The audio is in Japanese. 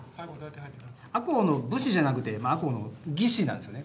赤穂の武士じゃなくて赤穂の義士なんですよね。